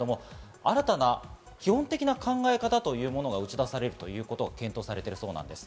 新たな基本的な考え方というものが打ち出されるということが検討されているということなんです。